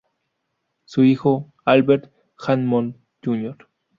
Su hijo, Albert Hammond Jr.